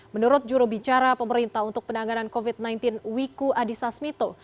menurut jurubicara pemerintah untuk penanganan covid sembilan belas wiku adhisa smito